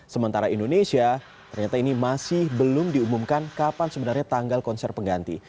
sementara indonesia ternyata ini masih belum diumumkan kapan sebenarnya tanggal konser pengganti